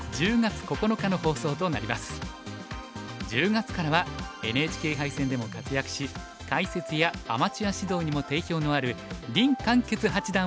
１０月からはＮＨＫ杯戦でも活躍し解説やアマチュア指導にも定評のある林漢傑八段を講師に迎えます。